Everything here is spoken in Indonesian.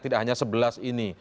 tidak hanya sebelas ini